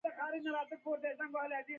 ځینې خلک مالګه له لیمو سره خوري.